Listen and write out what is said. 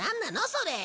それ。